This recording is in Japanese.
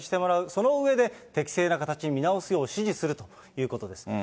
その上で、適正な形に見直すよう指示するということです。